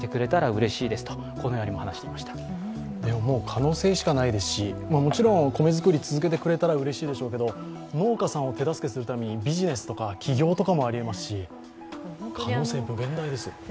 可能性しかないですし、もちろん米作りを続けてくれたらうれしいでしょうけど農家さんを手助けするためにビジネスとか起業とかもありますし、可能性、無限大ですよ。